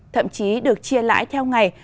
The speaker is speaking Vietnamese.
thậm chí được chia lại theo ngày